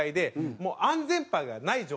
もう安全牌がない状態。